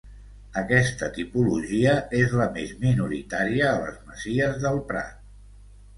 Aquesta tipologia és la més minoritària a les masies del Prat.